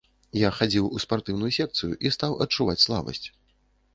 Я хадзіў у спартыўную секцыю, і стаў адчуваць слабасць.